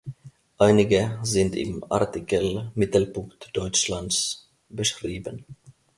Einige sind im Artikel "Mittelpunkt Deutschlands" beschrieben.